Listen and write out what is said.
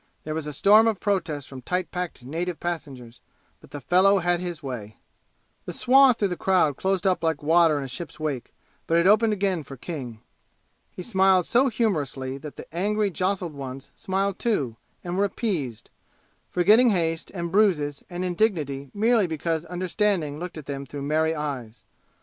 There was a storm of protest from tight packed native passengers, but the fellow had his way. The swath through the crowd closed up like water in a ship's wake, but it opened again for King. He smiled so humorously that the angry jostled ones smiled too and were appeased, forgetting haste and bruises and indignity merely because understanding looked at them through merry eyes.